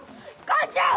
母ちゃん！